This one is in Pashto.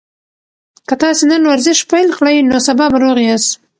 که تاسي نن ورزش پیل کړئ نو سبا به روغ یاست.